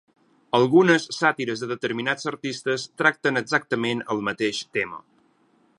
Algunes sàtires de determinats artistes tracten exactament el mateix tema.